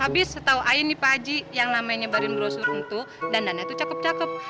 pak haji yang nyebarin brosur untuk dandannya tuh cakep cakep